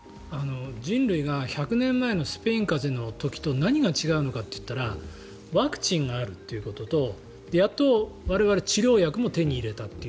人類が１００年前のスペイン風邪の時と何が違うのかといったらワクチンがあるということとやっと我々は治療薬も手に入れたと。